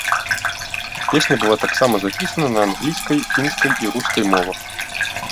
Песня была таксама запісана на англійскай, фінскай і рускай мовах.